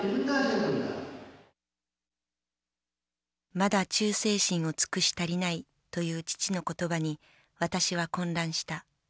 「まだ忠誠心を尽くし足りない」という父の言葉に私は混乱した。